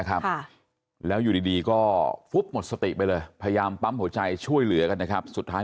ครับแล้วอยู่ดีดีก็ฟุบหมดสติไปเลยพยายามปั๊มหัวใจช่วยเหลือกันนะครับสุดท้าย